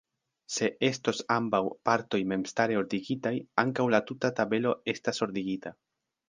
Se estos ambaŭ partoj memstare ordigitaj, ankaŭ la tuta tabelo estas ordigita.